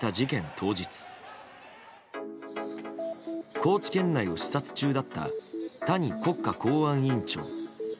当日高知県内を視察中だった谷国家公安委員長。